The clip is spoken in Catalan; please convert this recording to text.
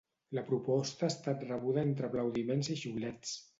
La proposta ha estat rebuda entre aplaudiments i xiulets.